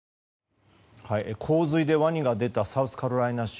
洪水でワニが出たサウスカロライナ州